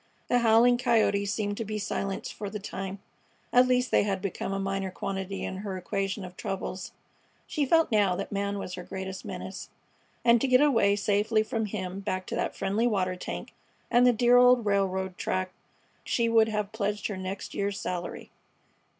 The howling coyotes seemed to be silenced for the time; at least they had become a minor quantity in her equation of troubles. She felt now that man was her greatest menace, and to get away safely from him back to that friendly water tank and the dear old railroad track she would have pledged her next year's salary.